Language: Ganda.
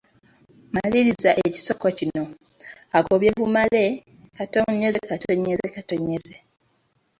Maliriza ekisoko kino: Agobye bumale, …..